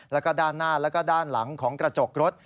แล้วก็ด้านหน้าแล้วก็ด้านหลังของกระจกรถ